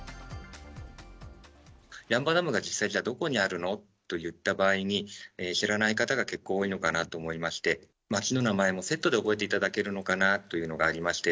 八ッ場ダムが実際にじゃあ、どこにあるの？といった場合に、知らない方が結構多いのかなと思いまして、町の名前もセットで覚えていただけるのかなというのがありまして。